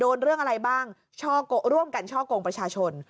เรื่องอะไรบ้างร่วมกันช่อกงประชาชน